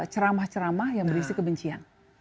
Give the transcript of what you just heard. ceramah ceramah yang berisi kebencian